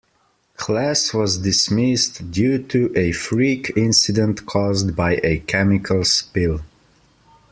Class was dismissed due to a freak incident caused by a chemical spill.